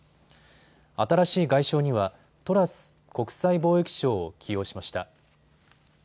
新しい外相にはトラス国際貿易相を起用しました。